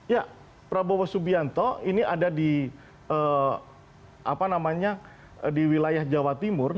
ya prabowo subianto ini ada di wilayah jawa timur